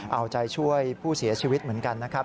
เอาใจช่วยผู้เสียชีวิตเหมือนกันนะครับ